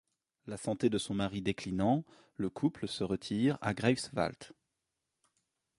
La santé de son mari déclinant, le couple se retire à Greifswald.